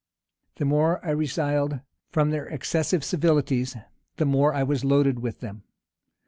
The more I resiled from their excessive civilities, the more I was loaded with them.